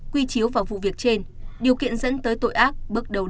quy chiếu vào vụ việc trên điều kiện dẫn tới tội ác bước đầu